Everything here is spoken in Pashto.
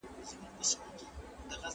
داسې څوک چې تر موږ پوه وي.